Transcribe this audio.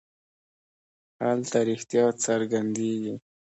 هلته رښتیا څرګندېږي.